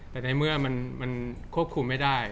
แต่ในเมื่อมันควบคุมไม่ได้